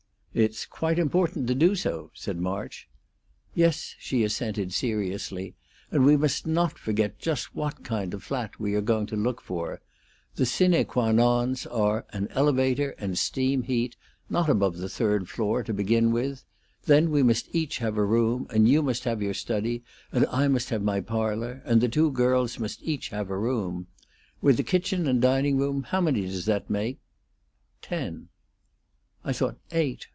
"It's quite important to do so," said March. "Yes," she assented, seriously, "and we must not forget just what kind of flat we are going to look for. The 'sine qua nons' are an elevator and steam heat, not above the third floor, to begin with. Then we must each have a room, and you must have your study and I must have my parlor; and the two girls must each have a room. With the kitchen and dining room, how many does that make?" "Ten." "I thought eight.